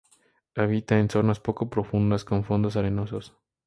Habita en zonas poco profundas con fondos arenosos.